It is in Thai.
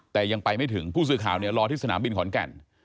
แต่ยังไปไม่ถึงผู้สื่อข่าวเนี่ยรอที่สนามบินขอนแก่น